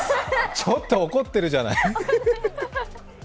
ちょっと怒ってるじゃない。